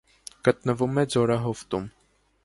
Գտնվում էր ձորահովտում։